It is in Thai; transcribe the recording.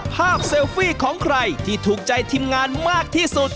เซลฟี่ของใครที่ถูกใจทีมงานมากที่สุด